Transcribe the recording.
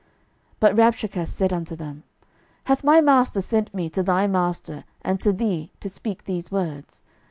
12:018:027 But Rabshakeh said unto them, Hath my master sent me to thy master, and to thee, to speak these words?